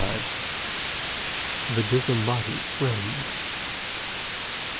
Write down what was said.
LXXXV. THE DISEMBODIED FRIEND.